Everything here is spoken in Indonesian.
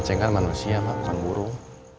ceng kan manusia ma bukan burung